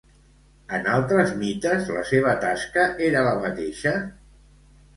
En altres mites, la seva tasca era la mateixa?